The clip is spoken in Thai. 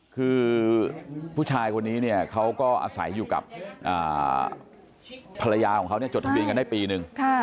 คือผู้ชายคนนี้เนี่ยเขาก็อาศัยอยู่กับภรรยาของเขาเนี่ยจดทะเบียนกันได้ปีนึง